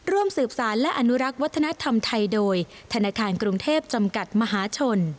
ร่วมสืบสารและอนุรักษ์วัฒนธรรมไทยโดยธนาคารกรุงเทพจำกัดมหาชน